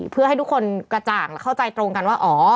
เพื่อให้ทุกคนกระจ่างและเข้าใจตรงกันว่าอ๋อ